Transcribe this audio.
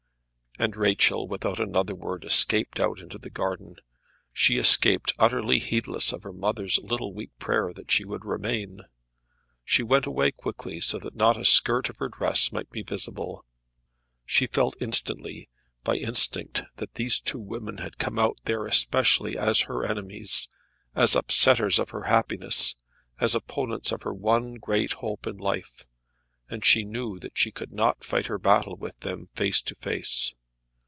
And Rachel, without another word, escaped out into the garden. She escaped, utterly heedless of her mother's little weak prayer that she would remain. She went away quickly, so that not a skirt of her dress might be visible. She felt instantly, by instinct, that these two women had come out there especially as her enemies, as upsetters of her happiness, as opponents of her one great hope in life; and she knew that she could not fight her battle with them face to face.